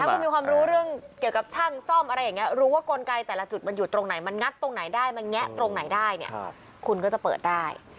แต่ถ้าคุณมีความรู้เรื่องเกี่ยวกับชั่งซ่อมรู้ว่ากลไกแต่ละจุดมันอยู่ตรงไหนมันทรงไหนได้มันแยะตรงไหนได้เนี้ยคุณก็จะเปิดได้